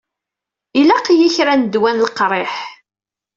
Ilaq-iyi kra n ddwa n leqriḥ.